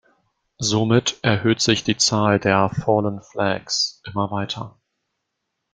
Somit erhöht sich die Zahl der "Fallen Flags" immer weiter.